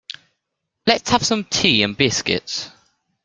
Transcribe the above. Let's have some tea and biscuits.